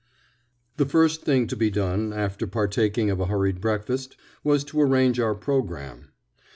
The first thing to be done, after partaking of a hurried breakfast, was to arrange our programme.